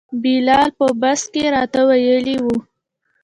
بلال په بس کې راته ویلي وو.